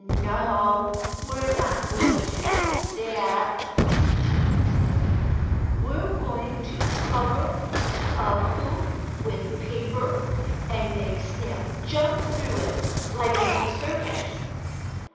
"No, we're not going to do that," answered the little boy. "We're going to cover a hoop with paper, and make Snap jump through it, like in a circus."